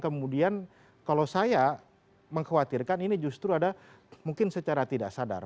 kemudian kalau saya mengkhawatirkan ini justru ada mungkin secara tidak sadar